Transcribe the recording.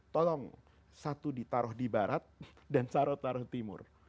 tolong satu ditaruh di barat dan saro taruh timur